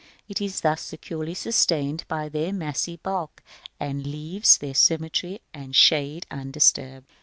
It is thus securely sustained by their massy bulk, and leaves their symmetry and shade undisturbed.